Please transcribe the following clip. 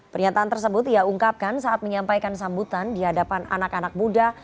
pernyataan tersebut ia ungkapkan saat menyampaikan sambutan di hadapan anak anak muda